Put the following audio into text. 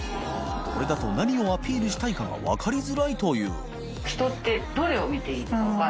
海譴世何をアピールしたいかが分かりづらいという下河辺さん）